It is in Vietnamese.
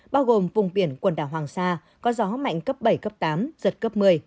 bao gồm vùng biển quần đảo hoàng sa có gió mạnh cấp bảy cấp tám giật cấp một mươi